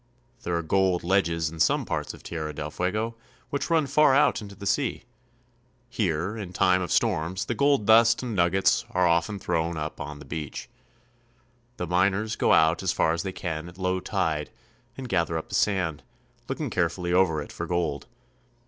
There are gold ledges in some parts of Tierra del Fuego which run far out into the sea. Here in time of storms the gold dust and nuggets are often thrown up on the beach. The miners go out as far as they can at low tide and gather up the sand, looking carefully over it for gold.